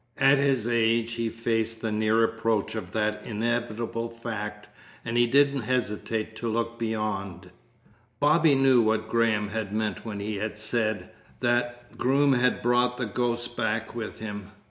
At his age he faced the near approach of that inevitable fact, and he didn't hesitate to look beyond. Bobby knew what Graham had meant when he had said that Groom had brought the ghosts back with him.